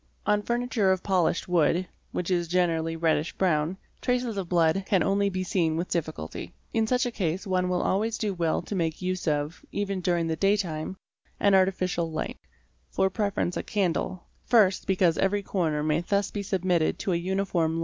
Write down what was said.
On furniture of polished wood (which is generally reddish brown), traces of blood can only be seen with difficulty. In such a case one will always do well to make use of, even during the day time, an artificial light, for preference a candle, first because every corner may * thus be submitted to a uniform.